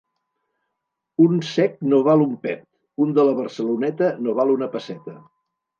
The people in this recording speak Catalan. Un sec no val un pet, un de la Barceloneta no val una pesseta.